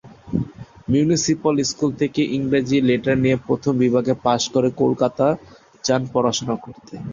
Municipal school থেকে ইংরেজিতে letter নিয়ে প্রথম বিভাগে পাস করে কলকাতা যান পড়াশোনা করতে।